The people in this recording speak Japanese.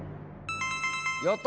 やった！